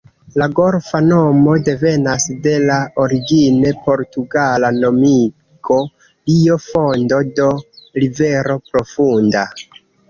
La golfa nomo devenas de la origine portugala nomigo "Rio Fondo", do "rivero profunda".